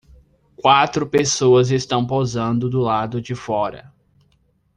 Quatro pessoas estão posando do lado de fora.